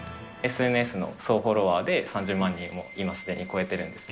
ＳＮＳの総フォロワーで３０万人を今、すでに超えてるんです